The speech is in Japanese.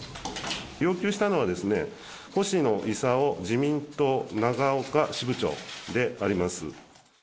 要求したのは、星野伊佐夫自民党長岡支部長であります。